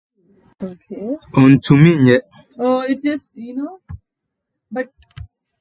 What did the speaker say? Ontumi nyɛ.